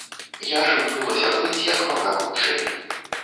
Я ж імкнулася плыць як мага хутчэй.